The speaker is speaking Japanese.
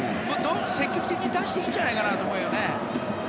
積極的に出していいんじゃないかなと思うよね。